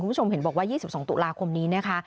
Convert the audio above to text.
คุณผู้ชมเห็นบอกว่า๒๒ตุลาคมนี้นะคะ